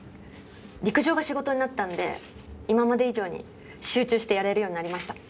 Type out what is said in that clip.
陸上が仕事になったんで、今まで以上に集中してやれるようになりました。